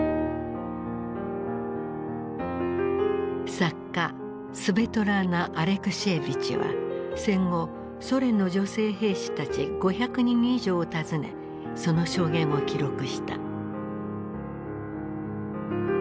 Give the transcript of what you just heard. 作家スヴェトラーナ・アレクシエーヴィチは戦後ソ連の女性兵士たち５００人以上を訪ねその証言を記録した。